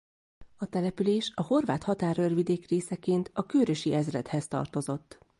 A település a Horvát határőrvidék részeként a Kőrösi ezredhez tartozott.